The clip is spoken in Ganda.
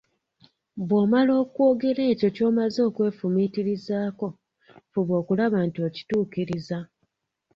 "Bw'omala okwogera ekyo ky'omaze okwefumiitirizaako, fuba okulaba nti okituukiriza."